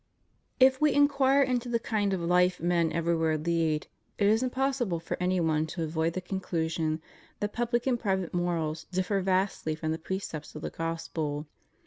If we inquire into the kind of life men everywhere lead, it is impossible for any one to avoid the conclusion that pubUc and private morals differ vastly from the precepts of the Gjjpspel.